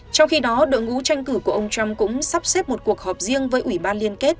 trong khi đó đội ngũ tranh cử của ông trump cũng sắp xếp một cuộc họp riêng với ủy ban liên kết